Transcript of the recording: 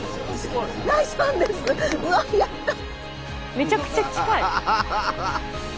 めちゃくちゃ近い。